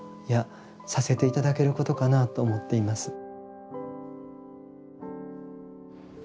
いやさせて頂けることかなと思っています。